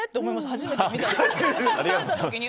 初めて見た時に。